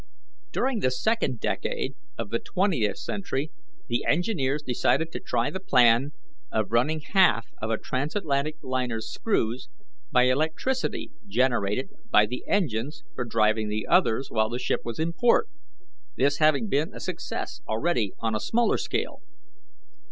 "During the second decade of the twentieth century the engineers decided to try the plan of running half of a transatlantic liner's screws by electricity generated by the engines for driving the others while the ship was in port, this having been a success already on a smaller scale.